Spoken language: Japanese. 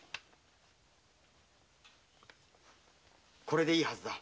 これでいいはずだ。